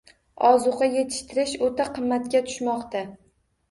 Ozuqa etishtirish o`ta qimmatga tushmoqda